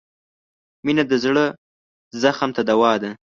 • مینه د زړه زخم ته دوا ده.